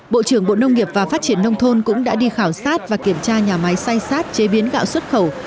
bộ trưởng bộ nông nghiệp và phát triển nông thôn cũng đã đi khảo sát và kiểm tra nhà máy say sát chế biến gạo xuất khẩu